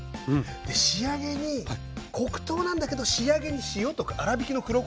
で仕上げに黒糖なんだけど仕上げに塩とか粗びきの黒こしょうふる。